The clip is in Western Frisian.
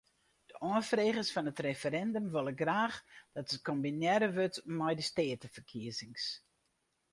De oanfregers fan it referindum wolle graach dat it kombinearre wurdt mei de steateferkiezings.